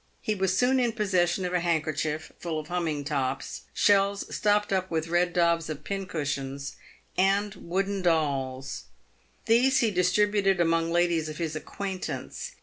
He was soon in possession of a handkerchief full of humming tops, shells stopped up with red daubs of pincushions, and wooden dolls. These he distributed among ladies of his acquaintance.